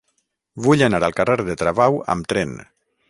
Vull anar al carrer de Travau amb tren.